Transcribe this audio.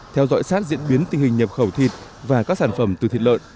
theo dõi sát diễn biến tình hình nhập khẩu thịt và các sản phẩm từ thịt lợn